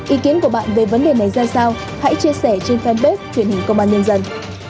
ý kiến của bạn về vấn đề này ra sao hãy chia sẻ trên fanpage truyền hình công an nhân dân